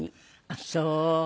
あっそう。